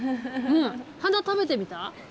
花、食べてみた？